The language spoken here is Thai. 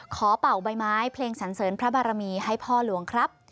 เป่าใบไม้เพลงสันเสริญพระบารมีให้พ่อหลวงครับ